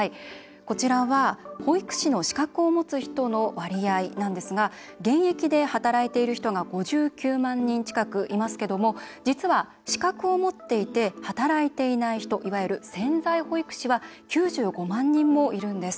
こちらは保育士の資格を持つ人の割合なんですが現役で働いている人が５９万人近くいますけども実は資格を持っていて働いていない人いわゆる潜在保育士は９５万人もいるんです。